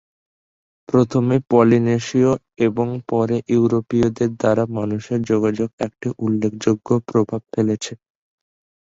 প্রথমে পলিনেশীয় এবং পরে ইউরোপীয়দের দ্বারা মানুষের যোগাযোগ একটি উল্লেখযোগ্য প্রভাব ফেলেছে।